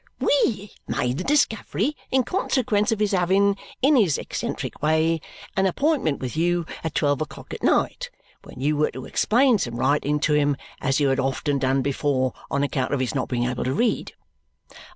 "We made the discovery in consequence of his having, in his eccentric way, an appointment with you at twelve o'clock at night, when you were to explain some writing to him as you had often done before on account of his not being able to read.